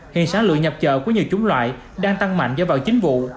hiện sản lượng nhập chợ của nhiều chúng loại đang tăng mạnh do vào chính vụ